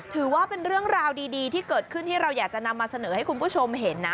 ถือว่าเป็นเรื่องราวดีที่เกิดขึ้นที่เราอยากจะนำมาเสนอให้คุณผู้ชมเห็นนะ